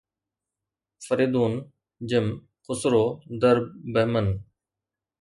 فريدون ، جم ، خسرو ، درب ، بهمن